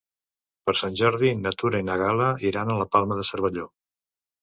Per Sant Jordi na Tura i na Gal·la iran a la Palma de Cervelló.